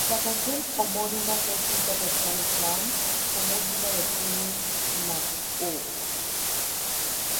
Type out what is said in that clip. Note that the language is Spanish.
La canción homónima fue escrita por Sammy Cahn con música por Jimmy McHugh.